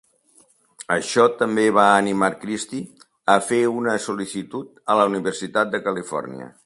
Això també va animar Christy a fer una sol·licitud a la Universitat de Califòrnia.